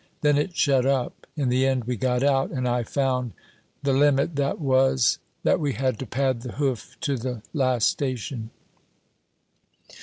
Then it shut up. In the end we got out, and I found the limit, that was that we had to pad the hoof to the last station.